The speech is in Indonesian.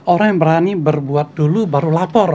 orang yang berani berbuat dulu baru lapor